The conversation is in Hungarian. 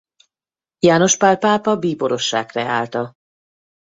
János Pál pápa bíborossá kreálta.